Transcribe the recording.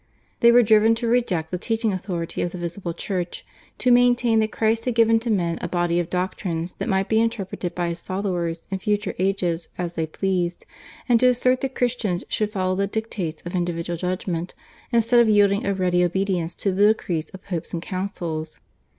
They were driven to reject the teaching authority of the visible Church, to maintain that Christ had given to men a body of doctrines that might be interpreted by His followers in future ages as they pleased, and to assert that Christians should follow the dictates of individual judgment instead of yielding a ready obedience to the decrees of Popes and Councils.